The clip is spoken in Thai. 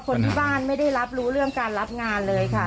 คนที่บ้านไม่ได้รับรู้เรื่องการรับงานเลยค่ะ